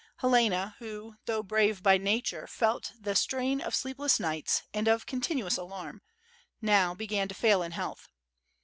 Helena, who though brave by nature, felt the strain of sleepless nights and of continuous alarm, now began to fail in health.